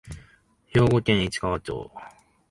兵庫県市川町